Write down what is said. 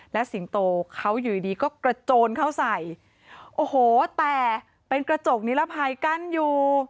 และสิงโตเขาอยู่ดีดีก็กระโจนเขาใส่โอ้โหแต่เป็นกระจกนิรภัยกั้นอยู่